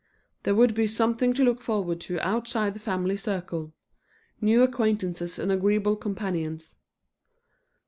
There would be something to look forward to outside the family circle; new acquaintances and agreeable companions.